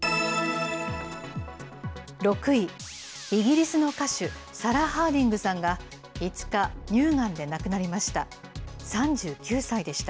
６位、イギリスの歌手、サラ・ハーディングさんが５日、乳がんで亡くなりました。